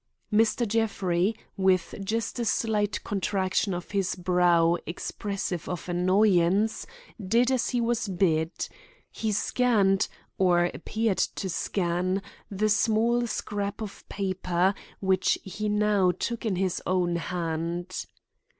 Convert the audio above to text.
Mr. Jeffrey, with just a slight contraction of his brow expressive of annoyance, did as he was bid. He scanned, or appeared to scan, the small scrap of paper which he now took into his own hand.